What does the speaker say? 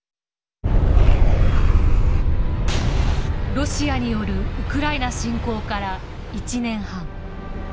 ロシアによるウクライナ侵攻から１年半。